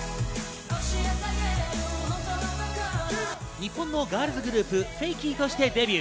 日本のガールズグループ、ＦＡＫＹとしてデビュー。